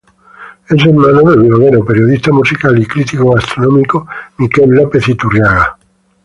Es hermano del bloguero, periodista musical y crítico gastronómico Mikel López Iturriaga.